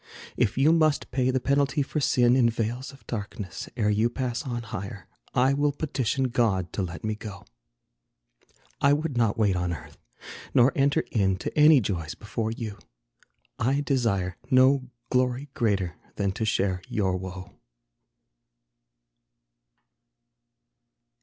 If you must pay the penalty for sin, In vales of darkness, ere you pass on higher, I will petition God to let me go. I would not wait on earth, nor enter in To any joys before you. I desire No glory greater than to share your woe.